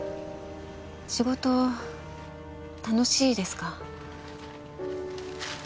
仕事楽しいですか？